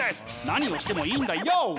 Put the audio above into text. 何をしてもいいんだよ！